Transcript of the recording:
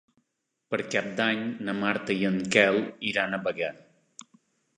Per Cap d'Any na Marta i en Quel iran a Bagà.